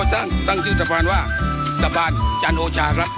เสร็จโปรดตั้งตั้งชื่อตะพานว่าสะพานจานโอชาครับ